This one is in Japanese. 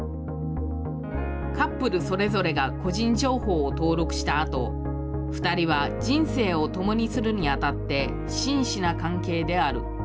カップルそれぞれが個人情報を登録したあと、２人は人生を共にするにあたって、真摯な関係である。